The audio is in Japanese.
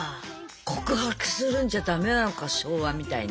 告白するんじゃダメなのか昭和みたいに。